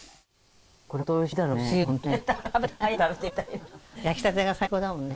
これホントおいしいだろうね。